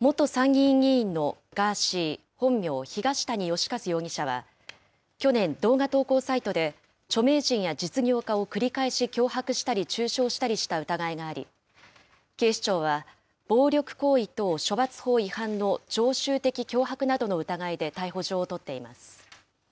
元参議院議員のガーシー、本名・東谷義和容疑者は、去年、動画投稿サイトで著名人や実業家を繰り返し脅迫したり中傷したりした疑いがあり、警視庁は、暴力行為等処罰法違反の常習的脅迫などの疑いで逮捕状を取っています。